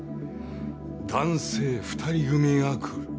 男性２人組が来る。